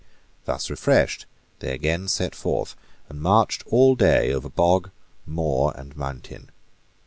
Thus refreshed, they again set forth, and marched all day over bog, moor, and mountain.